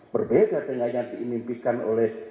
berbeda dengan yang diimimpikan oleh